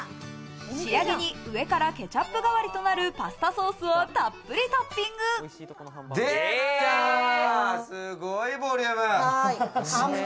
仕上げに上からケチャップ代わりとなるコストコのパスタソースをたっぷりトッピング。出た！